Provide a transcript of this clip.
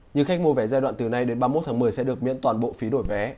nhưng khách mua vé giai đoạn từ nay đến ba mươi một tháng một mươi sẽ được miễn toàn bộ phí đổi vé